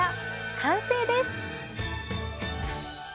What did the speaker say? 完成です